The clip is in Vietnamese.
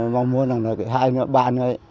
mong muốn là cái hai nữa ba nữa